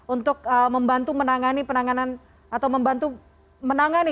untuk membantu menangani